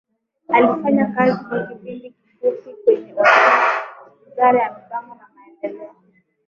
Alifanya kazi kwa kipindi kifupi kwenye Wizara ya Mipango na Maendeleo